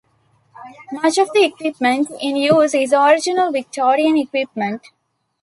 Much of the equipment in use is the original Victorian equipment.